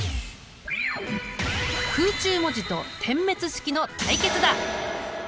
空中文字と点滅式の対決だ！